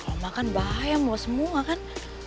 kalau makan bahaya mau semua kan